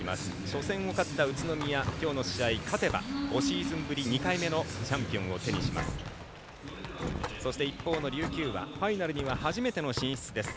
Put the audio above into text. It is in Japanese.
初戦を勝った宇都宮きょうの試合で勝てば５シーズンぶり２回目のチャンピオンを手にします。